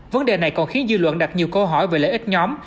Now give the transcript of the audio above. vấn đề này còn khiến dư luận đặt nhiều câu hỏi về lợi ích nhóm